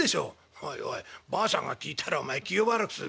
「おいおいばあさんが聞いたらお前気を悪くするぞ。